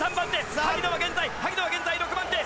萩野は現在５番手。